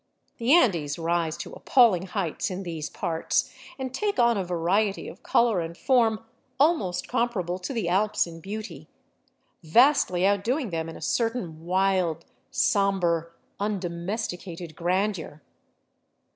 The Andes rise to appalling heights in these parts, and take on a variety of color and form almost comparable to the Alps in beauty, vastly outdoing them in a certain wild, somber undomesticated grandeur.